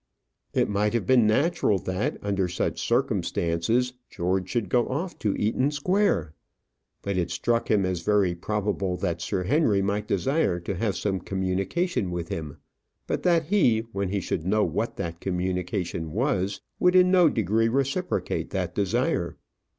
It might have been natural that, under such circumstances, George should go off to Eaton Square; but it struck him as very probable that Sir Henry might desire to have some communication with him, but that he, when he should know what that communication was, would in no degree reciprocate that desire.